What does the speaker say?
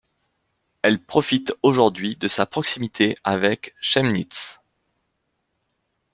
Elle profite aujourd'hui de sa proximité avec Chemnitz.